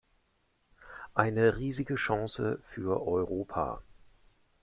Eine riesige Chance für Europa.